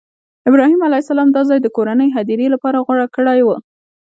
ابراهیم علیه السلام دا ځای د کورنۍ هدیرې لپاره غوره کړی و.